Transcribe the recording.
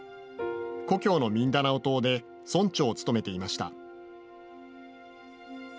故郷のミンダナオ島で村長を務めていました。